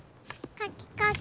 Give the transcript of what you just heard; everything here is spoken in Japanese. かきかき。